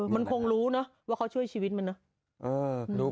มันคงรู้นะว่าเขาช่วยชีวิตมันนะ